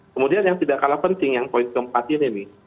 kemudian yang tidak kalah penting yang poin keempat ini nih